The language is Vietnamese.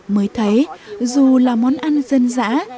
mới thấy dù là món ăn dân dã